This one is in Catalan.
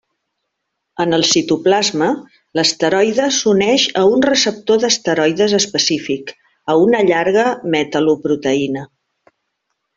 En el citoplasma, l'esteroide s'uneix a un receptor d'esteroides específic, a una llarga metal·loproteïna.